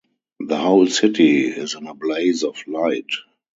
The whole city is in a blaze of light.